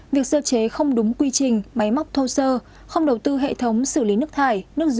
việc sơ chế không đúng quy trình máy móc thô sơ không đầu tư hệ thống xử lý nước thải